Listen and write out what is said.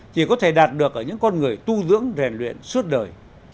chỉ có thể đạt được ở những con người tu dưỡng rèn luyện suốt đời